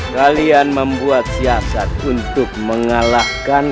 kalian membuat siasat untuk mengalahkan